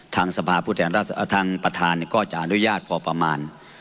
ทางสภาพทางประธานก็จะอนุญาตพอประมาณ